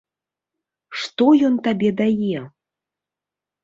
Што ён табе дае?